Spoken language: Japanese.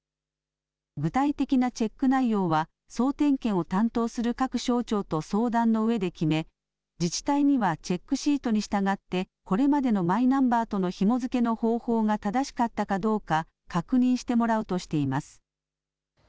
具体的なチェック内容は総点検を担当する各省庁と相談のうえで決め、自治体にはチェックシートに従ってこれまでのマイナンバーとのひも付けの方法が正しかったかどうか確認してもらうとしています。